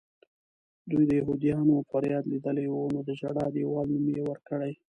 دوی د یهودیانو فریاد لیدلی و نو د ژړا دیوال نوم یې ورکړی.